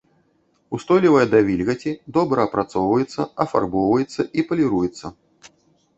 Устойлівая да вільгаці, добра апрацоўваецца, афарбоўваецца і паліруецца.